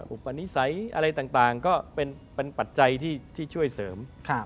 อุปนิสัยอะไรต่างก็เป็นปัจจัยที่ช่วยเสริม